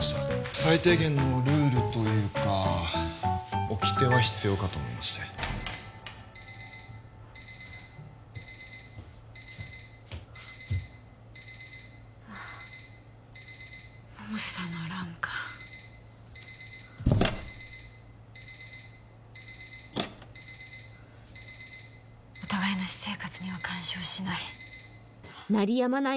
最低限のルールというか掟は必要かと思いまして百瀬さんのアラームかお互いの私生活には干渉しない鳴りやまない